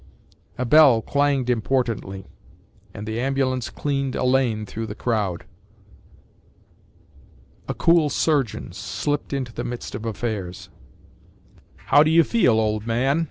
A bell clanged importantly, and the ambulance cleaned a lane through the crowd. A cool surgeon slipped into the midst of affairs. “How do you feel, old man?